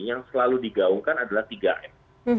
yang selalu digaungkan adalah tiga m